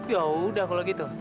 yaudah kalau gitu